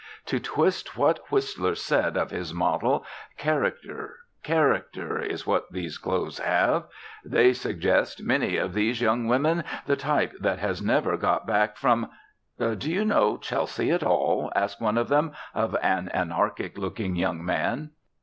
To twist what Whistler said of his model: Character, character is what these clothes have. They suggest, many of these young women, the type that has never got back from "Do you know Chelsea at all?" asks one of them, of an anarchic looking young man.